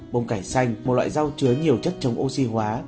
bông cải xanh một loại rau chứa nhiều chất chống oxy hóa